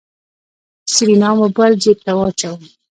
سېرېنا موبايل جېب ته واچوه.